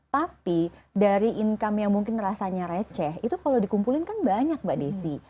tapi dari income yang mungkin rasanya receh itu kalau dikumpulin kan banyak mbak desi